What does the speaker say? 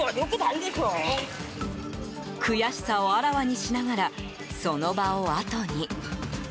悔しさをあらわにしながらその場をあとに。